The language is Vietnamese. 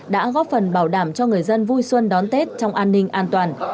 đã góp phần bảo đảm cho người dân vui xuân đón tết trong an ninh an toàn